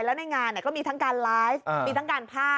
แล้วในงานก็มีทั้งการไลฟ์มีทั้งการภาพ